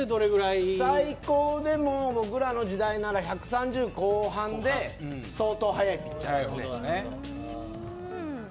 僕らの時代なら１３０後半で相当速いピッチャーですね。